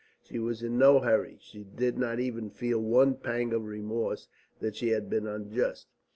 She was in no hurry. She did not even feel one pang of remorse that she had been unjust.